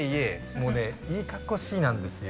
もうねいいかっこしいなんですよ